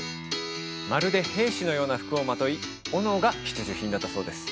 まるで兵士のような服をまとい斧が必需品だったそうです